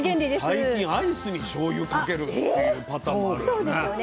最近アイスにしょうゆかけるっていうパターンもあるよね。